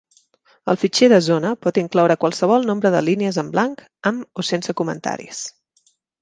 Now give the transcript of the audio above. El fitxer de zona pot incloure qualsevol nombre de línies en blanc, amb o sense comentaris.